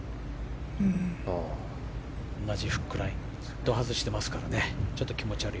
同じフックラインをずっと外していますからね。